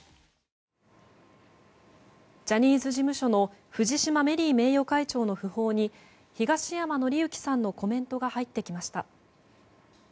ジャニーズ事務所の藤島メリー名誉会長の訃報に東山紀之さんのコメントが入ってきました。